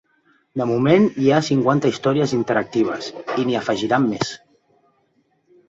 De moment hi ha cinquanta històries interactives, i n’hi afegiran més.